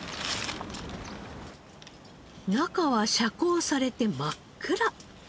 中は遮光されて真っ暗。